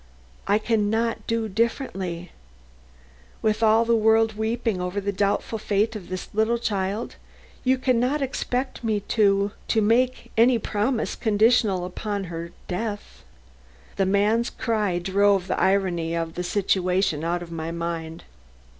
I can not do differently. With all the world weeping over the doubtful fate of this little child, you can not expect me to to make any promise conditional upon her death." The man's cry drove the irony of the situation out of my mind.